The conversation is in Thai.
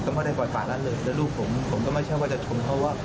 ก็ไม่ได้ปล่อยฝ่านั้นเลยแล้วลูกผมผมก็ไม่ใช่ว่าจะชนเขาว่า